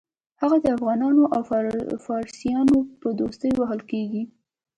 هغه د افغانانو او فارسیانو په دوستۍ وهل کېږي.